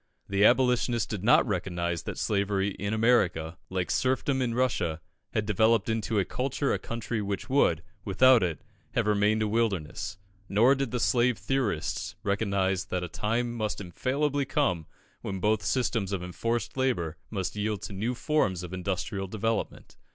The Abolitionist did not recognise that slavery in America, like serfdom in Russia, had developed into culture a country which would, without it, have remained a wilderness; nor did the slave theorists recognise that a time must infallibly come when both systems of enforced labour must yield to new forms of industrial development.